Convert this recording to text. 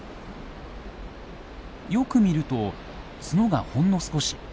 よく見ると角がほんの少し。